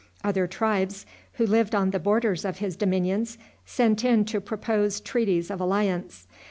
Other tribes, who lived on the borders of his dominions, sent in to propose treaties of alliance.